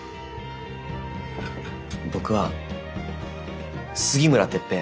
僕は杉村徹平。